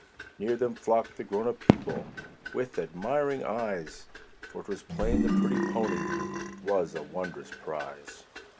Near them flocked the grown up people, With admiring eyes. For 'twas plain the pretty pony Was a wondrous prize.